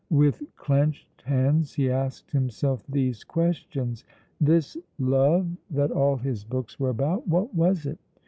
With clenched hands he asked himself these questions. This love that all his books were about what was it?